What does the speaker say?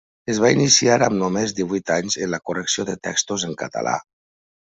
Es va iniciar amb només divuit anys en la correcció de textos en català.